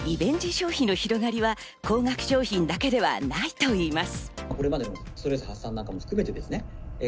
消費の広がりは高額商品だけではないといいます。